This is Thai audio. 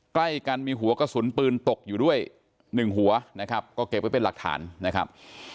ใกล้กันมีหัวกระสุนปืนตกอยู่ด้วยหนึ่งหัวนะครับก็เก็บไว้เป็นหลักฐานนะครับ